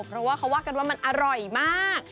เพราะว่าเขาว่ากันว่ามันอร่อยมาก